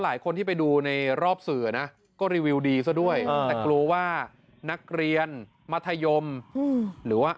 หลายคนที่ไปดูในรอบสื่อนะก็รีวิวดีซะด้วยแต่กลัวว่านักเรียนมัธยมหรือว่า